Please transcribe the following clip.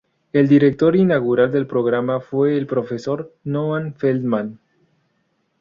El director inaugural del programa fue el profesor Noah Feldman.